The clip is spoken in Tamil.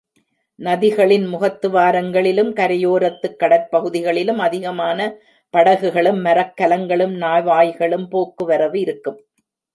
நதிகளின் முகத்துவாரங்களிலும் கரையோரத்துக் கடற்பகுதிகளிலும் அதிகமான படகுகளும் மரக்கலங்களும், நாவாய்களும் போக்குவரவு இருக்கும்.